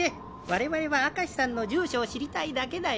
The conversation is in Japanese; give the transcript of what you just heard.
われわれは明石さんの住所を知りたいだけだよ。